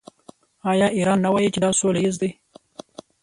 آیا ایران نه وايي چې دا سوله ییز دی؟